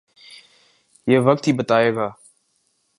یہ وقت ہی بتائے گا۔